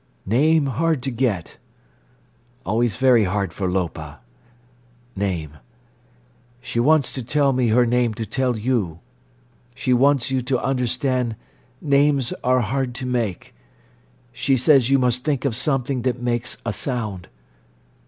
"Name hard to get—always very hard for Lopa. Name. She wants to tell me her name to tell you. She wants you to understand names are hard to make. She says you must think of something that makes a sound."